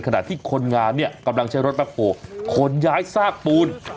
ขณะที่คนงานกำลังใช้รถแบกโฮคนย้ายซากปูน